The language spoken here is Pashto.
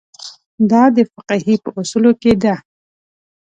دا د فقهې په اصولو کې ده.